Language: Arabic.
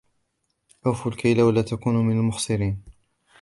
أوفوا الكيل ولا تكونوا من المخسرين